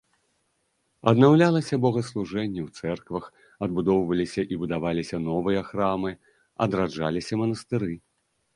Аднаўлялася богаслужэнне ў цэрквах, адбудоўваліся і будаваліся новыя храмы, адраджаліся манастыры.